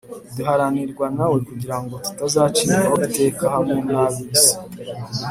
duhanirwa na we kugira ngo tutazacirwaho iteka hamwe n'ab'isi.